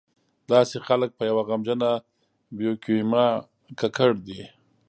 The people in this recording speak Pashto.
داسې خلک په یوه غمجنه بیوکیمیا ککړ دي.